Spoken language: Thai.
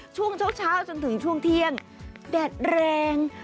ช่วงเช้าจนถึงช่วงเที่ยงแดดแรง